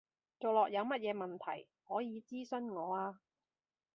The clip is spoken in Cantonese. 做落有乜嘢問題，可以諮詢我啊